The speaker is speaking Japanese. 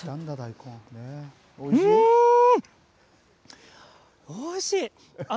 うーん、おいしい。